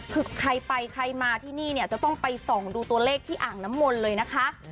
คือใครไปใครมาที่นี่เนี่ยจะต้องไปส่องดูตัวเลขที่อ่างน้ำมนต์เลยนะคะ